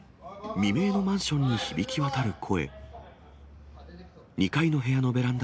未明のマンションに響き渡る声。